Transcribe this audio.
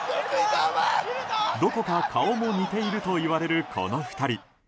どこか顔も似ているといわれるこの２人。